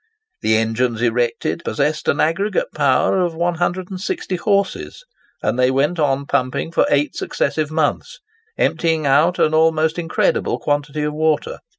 The engines erected, possessed an aggregate power of 160 horses; and they went on pumping for eight successive months, emptying out an almost incredible quantity of water.